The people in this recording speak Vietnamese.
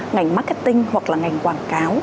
ngành marketing hoặc là ngành quảng cáo